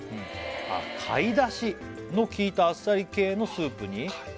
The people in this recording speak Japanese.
「貝だしのきいたあっさり系のスープに」